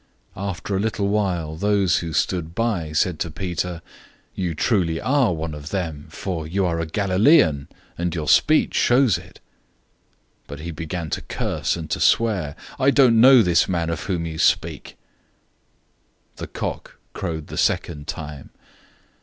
After a little while again those who stood by said to Peter, "You truly are one of them, for you are a Galilean, and your speech shows it." 014:071 But he began to curse, and to swear, "I don't know this man of whom you speak!" 014:072 The rooster crowed the second time.